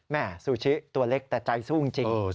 ซูชิตัวเล็กแต่ใจสู้จริง